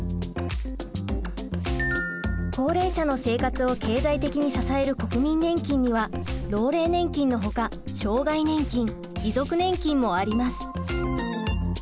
高齢者の生活を経済的に支える国民年金には老齢年金のほか障害年金遺族年金もあります。